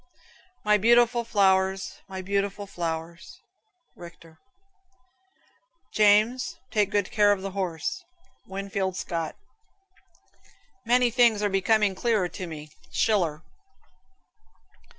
"My beautiful flowers, my lovely flowers." Richter. "James, take good care of the horse." Winfield Scott. "Many things are becoming clearer to me." Schiller.